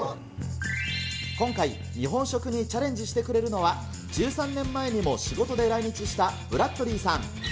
今回、日本食にチャレンジしてくれるのは、１３年前にも仕事で来日したブラッドリーさん。